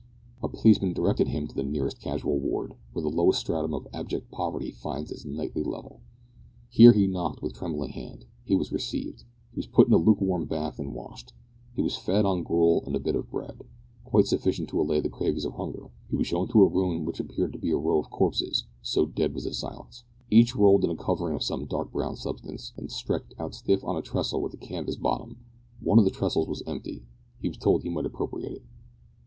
A policeman directed him to the nearest casual ward, where the lowest stratum of abject poverty finds its nightly level. Here he knocked with trembling hand. He was received; he was put in a lukewarm bath and washed; he was fed on gruel and a bit of bread quite sufficient to allay the cravings of hunger; he was shown to a room in which appeared to be a row of corpses so dead was the silence each rolled in a covering of some dark brown substance, and stretched out stiff on a trestle with a canvas bottom. One of the trestles was empty. He was told he might appropriate it.